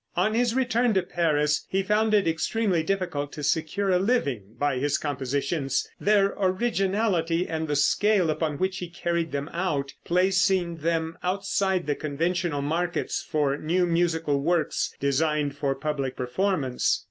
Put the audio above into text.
On his return to Paris, he found it extremely difficult to secure a living by his compositions, their originality and the scale upon which he carried them out, placing them outside the conventional markets for new musical works designed for public performance.